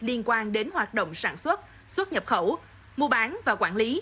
liên quan đến hoạt động sản xuất xuất nhập khẩu mua bán và quản lý